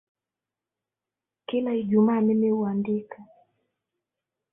Kila ijumaa mimi huandika.